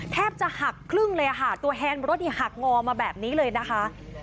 แทบจะหักครึ่งเลยค่ะตัวแฮนดรถหักงอมาแบบนี้เลยนะคะ